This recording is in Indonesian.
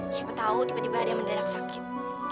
siapa tahu tiba tiba ada yang mendadak sakit